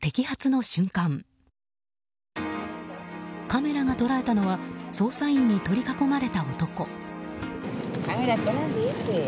カメラが捉えたのは捜査員に取り囲まれた男。